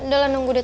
udah lah nunggu deh